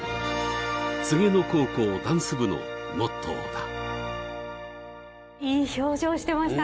黄柳野高校ダンス部のモットーだ。